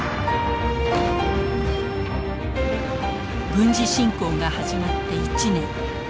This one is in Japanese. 軍事侵攻が始まって１年。